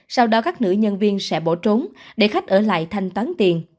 sau đó các nữ nhân viên sẽ bỏ trốn để khách ở lại thanh toán tiền